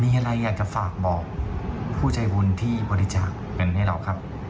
มีอะไรอยากจะฝากบอกผู้ใจบุญที่บริจาคเงินให้เราครับ